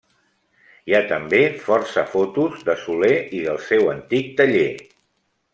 Hi ha també força fotos de Soler i del seu antic taller.